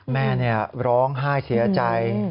แม่เนี่ยร้องไห้เสียใจ